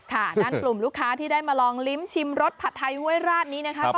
นั่นกลุ่มลูกค้าที่ได้มาลองลิ้มชิมรสผัดไทยห้วยราชนี้นะคะ